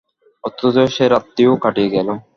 অথচ সে রাত্রিও কাটিয়া গেল।